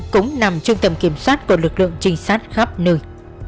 cũng nằm trong tầm kiểm soát của lực lượng trinh sát khắp nơi